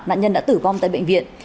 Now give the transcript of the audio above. nạn nhân đã tử vong tại bệnh viện